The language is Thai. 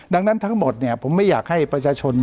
ดังนั้นทั้งหมดเนี่ยผมไม่อยากให้ประชาชน